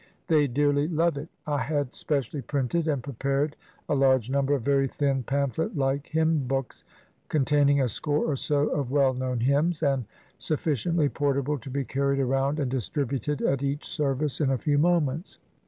They dearly love it. I had specially printed and prepared a large number of very thin, pamphlet hke hymn books, con taining a score or so of well known hymns, and suffi ciently portable to be carried around and distributed at each service in a few moments.